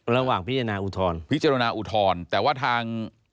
ระหว่างพิจารณาอุทธรณ์พิจารณาอุทธรณ์แต่ว่าทาง